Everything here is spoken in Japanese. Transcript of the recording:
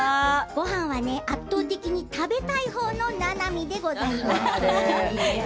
ごはんは圧倒的に食べたい方のななみでございます。